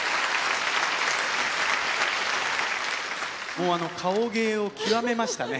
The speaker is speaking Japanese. もう顔芸を極めましたね。